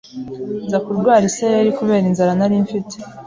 nza kurwara isereri kubera inzara nari mfite